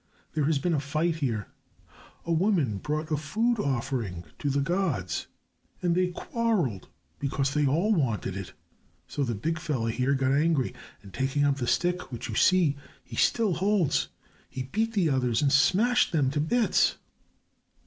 "There has been a fight here. A woman brought a food offering to the gods, and they quarrelled because they all wanted it. So the big fellow here got angry, and, taking up the stick which you see he still holds, he beat the others and smashed them to bits."